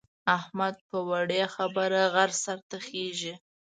احمد په وړې خبره غره سر ته خېژي.